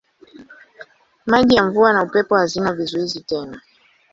Maji ya mvua na upepo hazina vizuizi tena.